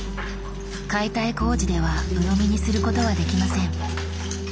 解体工事ではうのみにすることはできません。